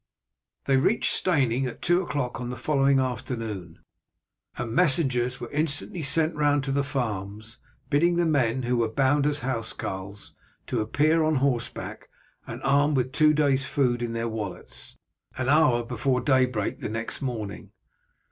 They reached Steyning at two o'clock on the following afternoon, and messengers were instantly sent round to the farms, bidding the men who were bound as housecarls to appear on horseback and armed, with two days' food in their wallets, an hour before daybreak next morning.